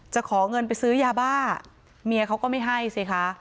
ขอเงินไปซื้อยาบ้าเมียเขาก็ไม่ให้สิคะ